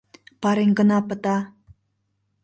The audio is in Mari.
Пареҥгына пыта.